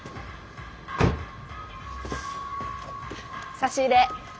差し入れ。